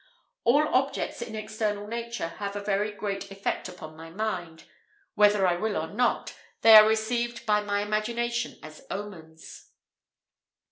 All objects in external nature have a very great effect upon my mind; whether I will or not, they are received by my imagination as omens.